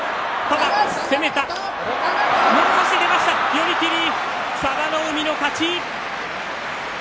寄り切り、佐田の海の勝ち。